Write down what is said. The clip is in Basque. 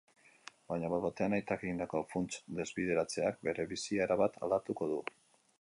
Baina, bat-batean, aitak egindako funts-desbideratzeak bere bizia erabat aldatuko du.